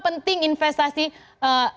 ketika investasi hanya berguna